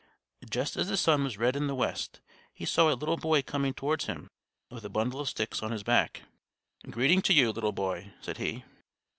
Just as the sun was red in the west, he saw a little boy coming towards him, with a bundle of sticks on his back. "Greeting to you, little boy," said he.